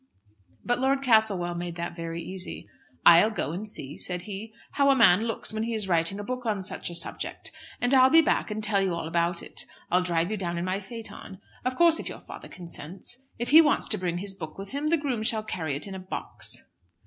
But Lord Castlewell made that very easy. "I'll go and see," said he, "how a man looks when he is writing a book on such a subject; and I'll be back and tell you all about it. I'll drive you down in my phaeton, of course if your father consents. If he wants to bring his book with him, the groom shall carry it in a box."